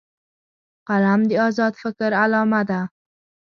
قلم د آزاد فکر علامه ده